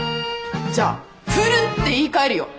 じゃあ「古！」って言いかえるよ！